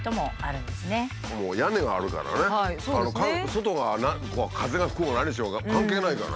外が風が吹こうが何しようが関係ないからね。